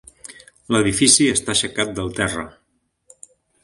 L'edifici està aixecat del terra.